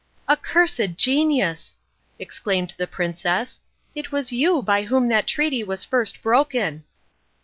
"Accursed genius!" exclaimed the princess, "it is you by whom that treaty was first broken."